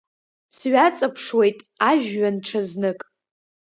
Сҩаҵаԥшуеит ажәҩан ҽазнык.